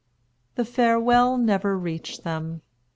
The farewell never reached them.